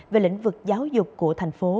về lĩnh vực giáo dục của thành phố